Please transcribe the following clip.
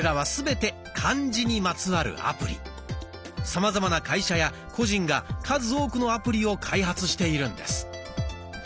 さまざまな会社や個人が数多くのアプリを開発しているんです。